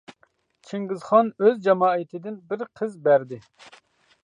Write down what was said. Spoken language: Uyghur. چىڭگىزخان ئۆز جامائىتىدىن بىر قىز بەردى.